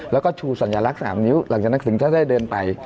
แล้วก็ชูสัญลักษณ์๓นิ้วหลังจากนั้นถึงก็ได้เดินไป